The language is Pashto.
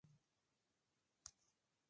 بوډاتوب د اغزیو په څېر دی .